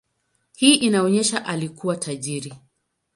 Hii inaonyesha alikuwa tajiri.